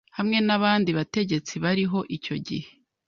hamwe n’abandi bategetsi bariho icyo gihe